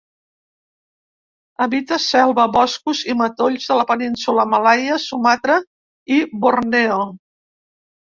Habita selva, boscos i matolls de la Península Malaia, Sumatra i Borneo.